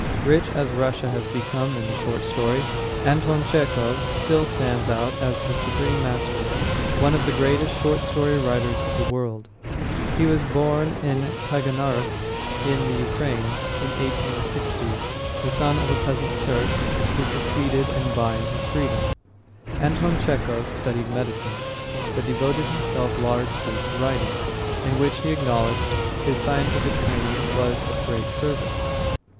Rich as Russia has become in the short story, Anton Chekhov still stands out as the supreme master, one of the greatest short story writers of the world. He was born in Taganarok, in the Ukraine, in 1860, the son of a peasant serf who succeeded in buying his freedom. Anton Chekhov studied medicine, but devoted himself largely to writing, in which, he acknowledged, his scientific training was of great service.